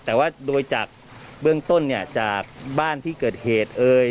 แต่ว่าโดยจากเบื้องต้นเนี่ยจากบ้านที่เกิดเหตุเอ่ย